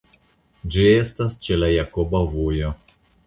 Ĝi estas ĉe la Jakoba Vojo.